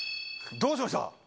どうしました？